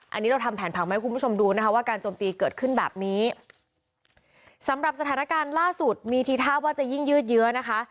อันนี้เราทำแผนผังมาให้คุณผู้ชมดูนะคะว่าการจมตีเกิดขึ้นแบบนี้สำหรับสถานการณ์ล่าสุดมีทีท่าว่าจะยิ่งยืดเยื้อนะคะ